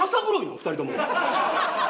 ２人とも。